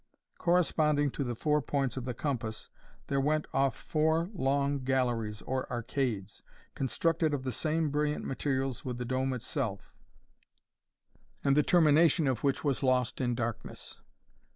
Corresponding to the four points of the compass, there went off four long galleries, or arcades, constructed of the same brilliant materials with the dome itself, and the termination of which was lost in darkness.